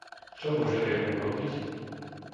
Čo môže EÚ robiť?